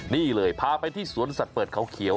นี่เลยพาไปที่สวนสัตว์เปิดเขาเขียว